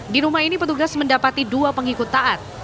di rumah ini petugas mendapati dua pengikut taat